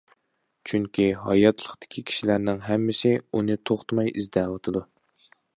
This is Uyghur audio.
چۈنكى، ھاياتلىقتىكى كىشىلەرنىڭ ھەممىسى ئۇنى توختىماي ئىزدەۋاتىدۇ.